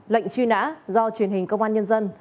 lệnh truy nã do truyền hình công an nhân dân